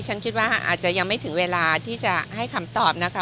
ฉันคิดว่าอาจจะยังไม่ถึงเวลาที่จะให้คำตอบนะคะ